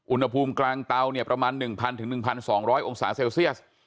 อุณหภูมิกลางเตาเนี่ยประมาณ๑๐๐๑๒๐๐องศาเซลเซียส